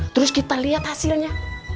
terus kita lihat hasilnya